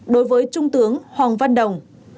đối với trung tướng hoàng văn đồng